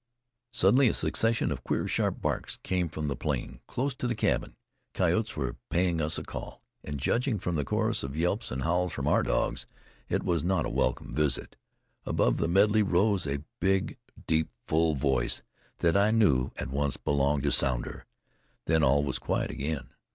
Suddenly a succession of queer, sharp barks came from the plain, close to the cabin. Coyotes were paying us a call, and judging from the chorus of yelps and howls from our dogs, it was not a welcome visit. Above the medley rose one big, deep, full voice that I knew at once belonged to Sounder. Then all was quiet again.